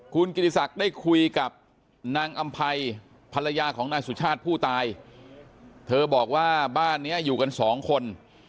คุณกิติศักดิ์ได้คุยกับนางอำภัยภรรยาของนายสุชาติผู้ตายเธอบอกว่าบ้านนี้อยู่กันสองคน